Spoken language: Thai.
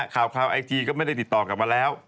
ข่าวไอจีก็ไม่ได้ติดต่อกลับมาแล้ว